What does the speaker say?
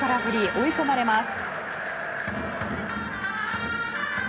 追い込まれます。